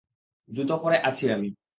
জুতো পরে আছি আমি।